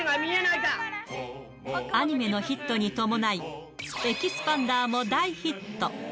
アニメのヒットに伴い、エキスパンダーも大ヒット。